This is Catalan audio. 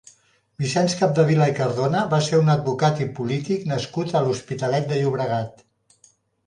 Vicenç Capdevila i Cardona va ser un advocat i polític nascut a l'Hospitalet de Llobregat.